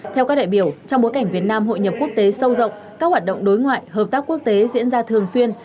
theo các đại biểu trong bối cảnh việt nam hội nhập quốc tế sâu rộng các hoạt động đối ngoại hợp tác quốc tế diễn ra thường xuyên